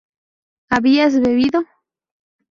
¿habías bebido?